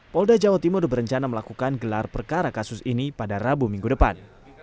polda jawa timur berencana melakukan gelar perkara kasus ini pada rabu minggu depan